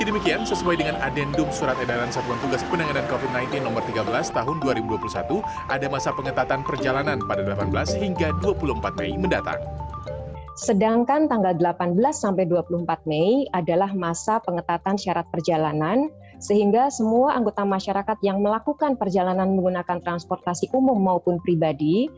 menggunakan transportasi umum maupun pribadi